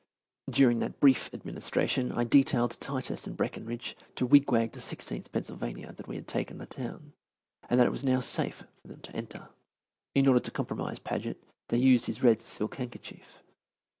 During that brief administration I detailed Titus and Breckenridge to wigwag the Sixteenth Pennsylvania that we had taken the town, and that it was now safe for them to enter. In order to compromise Paget they used his red silk handkerchief.